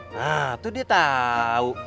nah tuh dia tau